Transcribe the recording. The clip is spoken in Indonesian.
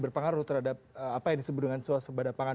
berpengaruh terhadap apa yang disebut dengan swastu pada pangan